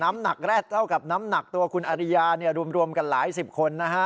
น้ำหนักแร็ดเท่ากับน้ำหนักตัวคุณอริยาเนี่ยรวมกันหลายสิบคนนะฮะ